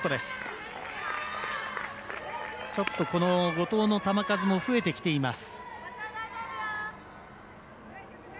後藤の球数も増えてきています。